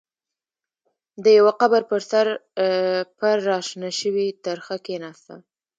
د يوه قبر پر سر پر را شنه شوې ترخه کېناسته.